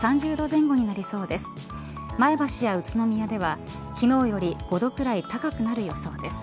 前橋や宇都宮では昨日より５度ぐらい高くなる予想です。